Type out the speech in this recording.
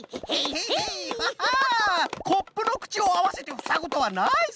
コップのくちをあわせてふさぐとはナイス！